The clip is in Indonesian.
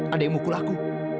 ada yang mengalahkan aku